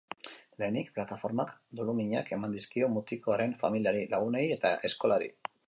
Lehenik, plataformak doluminak eman dizkio mutikoaren familiari, lagunei eta eskolari.